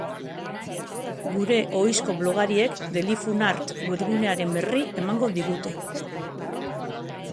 Gure ohizko blogariek delifunart webgunearen berri emango digute.